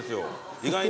意外に。